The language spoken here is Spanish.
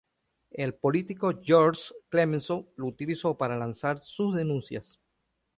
El político Georges Clemenceau lo utilizó para lanzar sus denuncias.